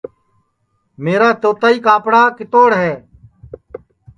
میرا توتائی کاپڑا کِتوڑ ہے